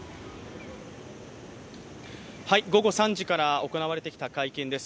午後３時から行われてきた会見です。